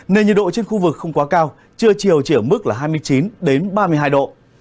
nên nhiệt độ trên khu vực không quá cao trưa chiều chỉ ở mức là hai mươi chín ba mươi hai độ